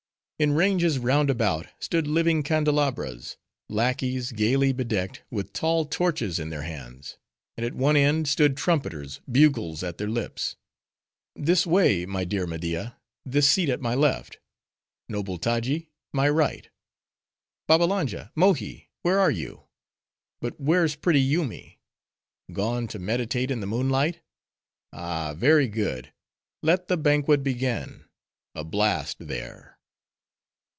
In ranges, roundabout stood living candelabras:—lackeys, gayly bedecked, with tall torches in their hands; and at one end, stood trumpeters, bugles at their lips. "This way, my dear Media!—this seat at my left—Noble Taji!—my right. Babbalanja!—Mohi—where you are. But where's pretty Yoomy?— Gone to meditate in the moonlight? ah!—Very good. Let the banquet begin. A blast there!"